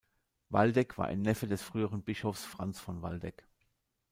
Waldeck war ein Neffe des früheren Bischofs Franz von Waldeck.